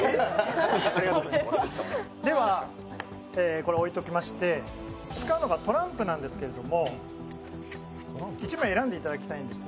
これは置いておきまして、使うのはトランプなんですけれども、１枚選んでいただきたいんです。